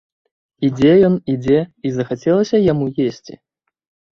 Ідзе ён, ідзе, і захацелася яму есці.